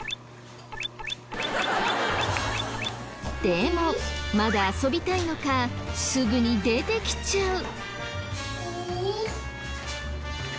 でもまだ遊びたいのかすぐに出てきちゃう。